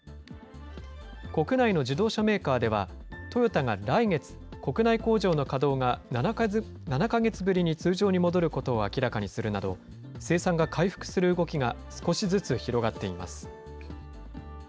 国内の自動車メーカーでは、トヨタが来月、国内工場の稼働が７か月ぶりに通常に戻ることを明らかにするなど、生産が回復する動きが少しずつ広がっています。